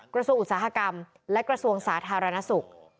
กระทรวงอุตสาหกรรมและกระทรวงสาธารณสุข